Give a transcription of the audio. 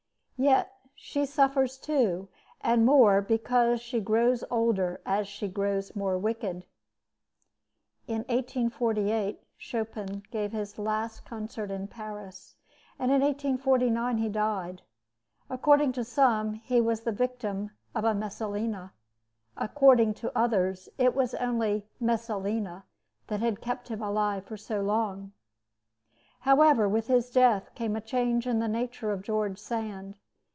Yet she suffers, too, and more, because she grows older as she grows more wicked." In 1848, Chopin gave his last concert in Paris, and in 1849 he died. According to some, he was the victim of a Messalina. According to others, it was only "Messalina" that had kept him alive so long. However, with his death came a change in the nature of George Sand.